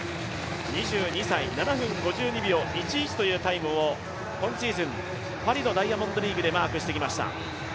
２２歳、７分５２秒１１というタイムを今シーズン、パリのダイヤモンドリーグでマークしてきました。